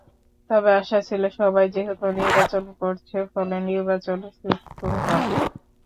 তবু আশা ছিল, সবাই যেহেতু নির্বাচন করছে, ফলে নির্বাচন সুষ্ঠু হবে।